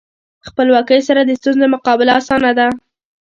خپلواکۍ سره د ستونزو مقابله اسانه ده.